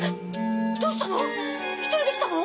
どうしたの？